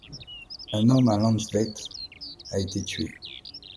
Un homme à Landsveit a été tué.